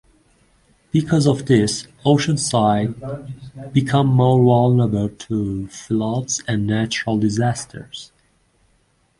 Because of this, Oceanside became more vulnerable to floods and natural disasters.